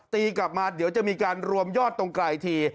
ตีกลับมาเดี๋ยวจะมีการรวมยอดตรงไกลที